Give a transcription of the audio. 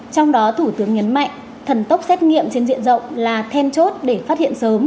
trong đó thủ tướng nhấn mạnh thần tốc xét nghiệm trên diện rộng là then chốt để phát hiện sớm